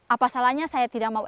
apa salahnya saya tidak mau